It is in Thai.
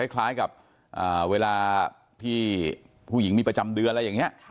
คล้ายกับเวลาที่ผู้หญิงมีประจำเดือนอะไรอย่างนี้